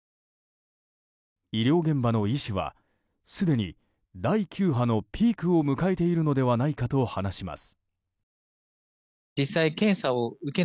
医療現場の医師はすでに第９波のピークを迎えているのではないかと話します。